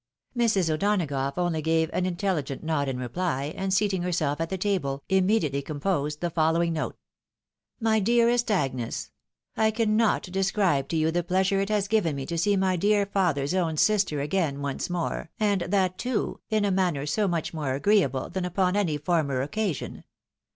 Mrs. O'Donagough only gave an inteUigent nod in reply, and seating herself at the table, immediately composed the fol lowing note :— 156 THE TTIDOW MARKIBD. " My dearest Agnes, " I cannot describe to you the pleasure it has given me to see my dear father's own sister again once more, and that, too, in a manner so much more agreeable than upon any former occasion.